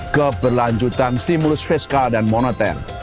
keberlanjutan stimulus fiskal dan moneter